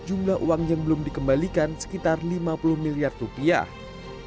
jumlah uang yang belum dikembalikan sekitar lima puluh miliar rupiah